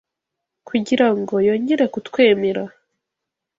kugira ngo yongere kutwemera.